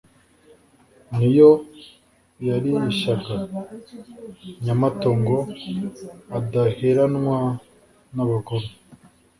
Ni yo yarishyaga Nyamato Ngo adaheranwa n’abagome,